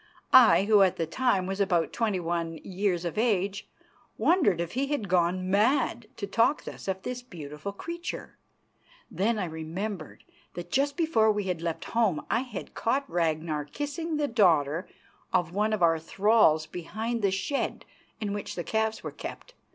I, who at the time was about twenty one years of age, wondered if he had gone mad to talk thus of this beautiful creature. Then I remembered that just before we had left home I had caught Ragnar kissing the daughter of one of our thralls behind the shed in which the calves were kept.